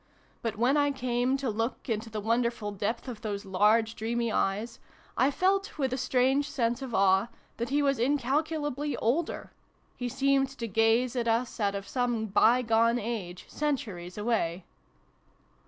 163 but, when I came to look into the wonderful depth of those large dreamy eyes, I felt, with a strange sense of awe, that he was in calculably older : he seemed to gaze at us out of some by gone age, centuries away.